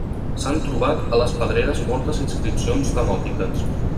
S'han trobat a les pedreres moltes inscripcions demòtiques.